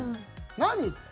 何？って。